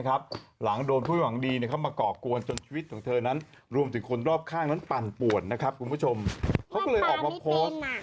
อะไรอีกอ่ะวาดไม่ต้องว่าดเหรอเออ